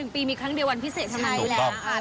๑ปีมีครั้งเดียววันพิเศษทำงาน